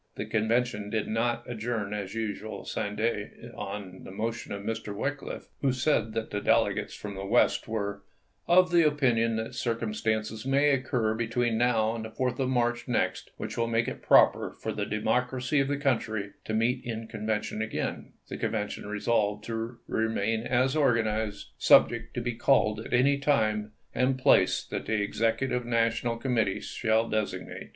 The Convention did not adjourn as usual sine die. On the motion of Mr. Wickliffe, who said that the del egates from the West were "of the opinion that circumstances may occur between now and the 4th of March next which will make it proper for the Democracy of the country to meet in conven tion again," the Convention resolved to " remain as organized, subject to be called at any time and place that the Executive National Committee shall designate."